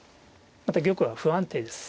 また玉は不安定です。